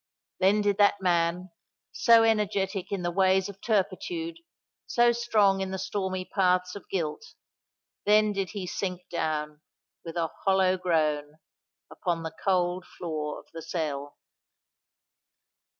Then did that man—so energetic in the ways of turpitude, so strong in the stormy paths of guilt,—then did he sink down, with a hollow groan, upon the cold floor of the cell.